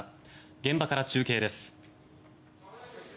現場から中継です。